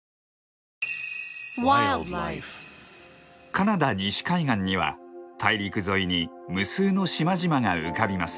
カナダ西海岸には大陸沿いに無数の島々が浮かびます。